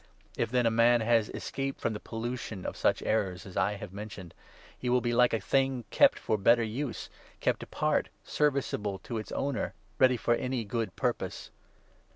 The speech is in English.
If, then, a man has escaped from 21 the pollution of such errors as I have mentioned, he will be like a thing kept for better use, set apart, serviceable to its owner, ready for any good purpose.